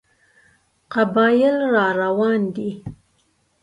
قبایل را روان دي.